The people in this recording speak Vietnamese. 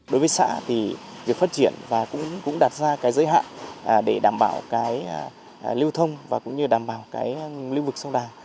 đối với xã thì việc phát triển và cũng đặt ra cái giới hạn để đảm bảo cái lưu thông và cũng như đảm bảo cái lưu vực sông đà